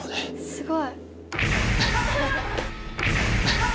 すごい。